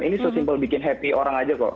ini sesimpel bikin happy orang aja kok